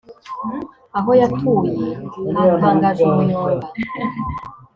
aho yatuye hatangaje umuyonga.